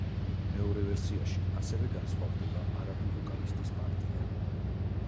მეორე ვერსიაში ასევე განსხვავდება არაბი ვოკალისტის პარტია.